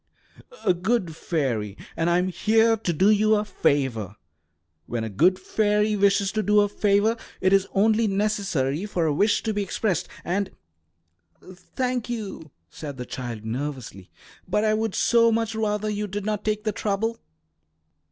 "A good fairy, and I am here to do you a favour. When a good fairy wishes to do a favour, it is only necessary for a wish to be expressed, and " [Illustration: "Bless my soul!" cried nurse] "Thank you," said the child nervously, "but really I would so much rather you did not take the trouble."